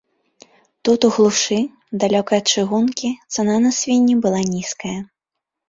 Тут у глушы, далёка ад чыгункі, цана на свінні была нізкая.